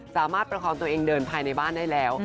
ประคองตัวเองเดินภายในบ้านได้แล้ว